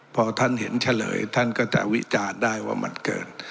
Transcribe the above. พอท่านเห็นเฉลยท่านก็จะวิจารณ์ได้ว่ามันเกิน